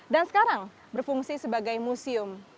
dan sekarang berfungsi sebagai museum